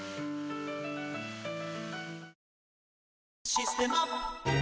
「システマ」